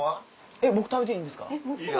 えっ僕食べていいんですか？